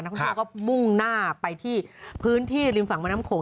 ทุกคนก็มุ่งหน้าไปที่พื้นที่ริมฝั่งมะน้ำโขง